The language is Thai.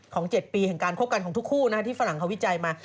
ของเจ็ดปีแห่งการควบกันของทุกคู่นะครับที่ฝรั่งวิจัยมา